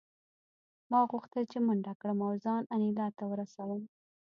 ما غوښتل چې منډه کړم او ځان انیلا ته ورسوم